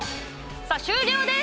さあ終了です。